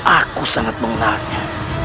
aku sangat mengenalnya